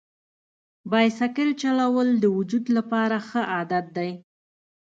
بایسکل چلول د وجود لپاره ښه عادت دی.